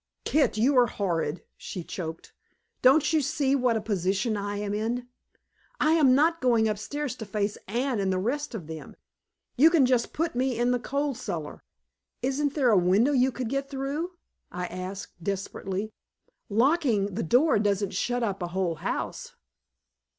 "Kit, you are horrid," she choked. "Don't you see what a position I am in? I am not going upstairs to face Anne and the rest of them. You can just put me in the coal cellar." "Isn't there a window you could get through?" I asked desperately. "Locking the door doesn't shut up a whole house."